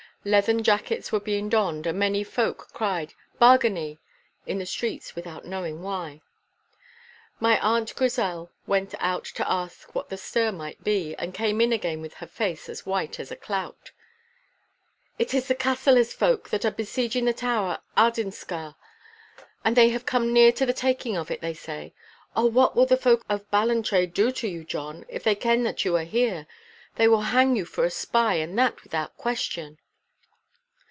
Leathern jackets were being donned, and many folk cried 'Bargany!' in the streets without knowing why. My Aunt Grisel went out to ask what the stir might be, and came in again with her face as white as a clout. 'It is the Cassillis folk that are besieging the Tower of Ardstinchar, and they have come near to the taking of it, they say. Oh, what will the folk of Ballantrae do to you, John, if they ken that you are here? They will hang you for a spy, and that without question.